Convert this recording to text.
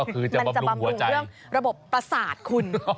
ก็คือจะบำรุงหัวใจมันจะบำรุงเรื่องระบบประสาทคุณ